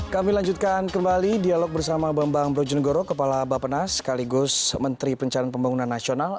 kami lanjutkan kembali dialog bersama bambang brojonegoro kepala bapenas sekaligus menteri pencarian pembangunan nasional